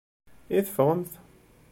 I teffɣemt?